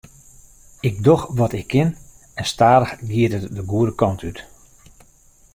Ik doch wat ik kin en stadich giet it de goede kant út.